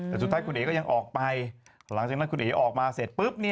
แต่สุดท้ายคุณเอ๋ก็ยังออกไปหลังจากนั้นคุณเอ๋ออกมาเสร็จปุ๊บ